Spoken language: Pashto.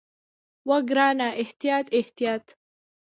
وه ګرانه احتياط احتياط.